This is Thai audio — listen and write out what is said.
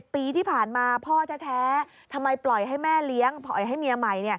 ปีที่ผ่านมาพ่อแท้ทำไมปล่อยให้แม่เลี้ยงปล่อยให้เมียใหม่